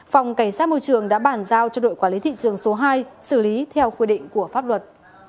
phòng cảnh sát môi trường đã bản giao cho đội quản lý thị trường số hai xử lý theo quy định của pháp luật